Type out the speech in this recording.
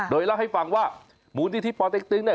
โดยเล่าให้ฟังว่ามูลนิธิปอเต็กตึงเนี่ย